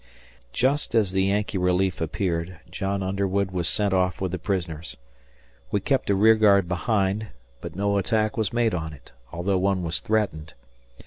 Just as the Yankee relief appeared, John Underwood was sent off with the prisoners. We kept a rear guard behind, but no attack was made on it, although one was threatened.